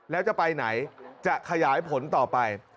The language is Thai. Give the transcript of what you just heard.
แล้วจะไปไหนจะขยายผลต่อไป